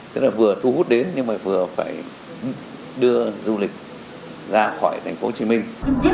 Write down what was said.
tức là vừa thu hút đến nhưng mà vừa phải đưa du lịch ra khỏi thành phố hồ chí minh